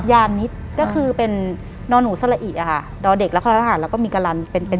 หลังจากนั้นเราไม่ได้คุยกันนะคะเดินเข้าบ้านอืม